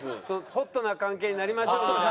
ホットな関係になりましょうみたいなね。